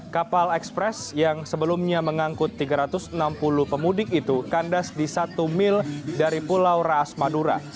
kapal ekspres yang sebelumnya mengangkut tiga ratus enam puluh pemudik itu kandas di satu mil dari pulau raas madura